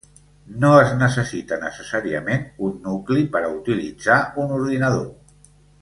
No es necessita necessàriament un nucli per a utilitzar un ordinador.